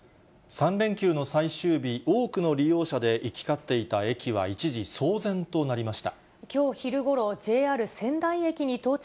３連休の最終日、多くの利用者で行き交っていた駅は一時騒然となりました。